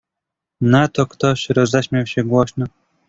"Na to ktoś roześmiał się głośno."